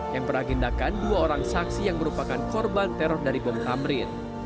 yang beragendakan dua orang saksi yang merupakan korban teror dari bom tamrin